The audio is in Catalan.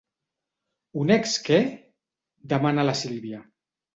Un ex què? —demana la Sílvia.